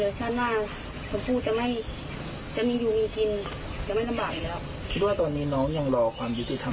เลยตอนนี้น้องหน่อยเหมือนยังรอความยุติธรรม